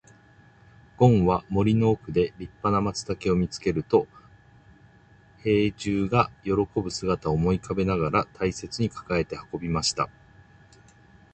ごんは森の奥で立派な松茸を見つけると、兵十が喜ぶ姿を思い浮かべながら大切に抱えて運びました。